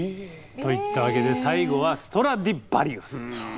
といったわけで最後はストラディヴァリウス。